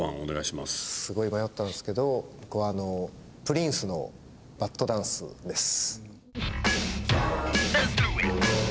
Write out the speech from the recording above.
すごい迷ったんですけど僕はプリンスの『バットダンス』です。